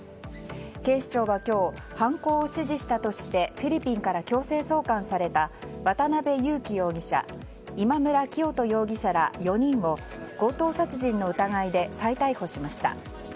警視庁は今日犯行を指示したとしてフィリピンから強制送還された渡辺優樹容疑者今村磨人容疑者ら４人を強盗殺人の疑いで再逮捕しました。